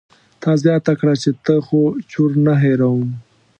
تا زياته کړه چې ته خو چور نه هېروم.